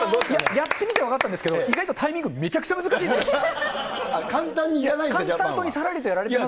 やってみて分かったんですけど、意外とタイミング、簡単にいかないんだ？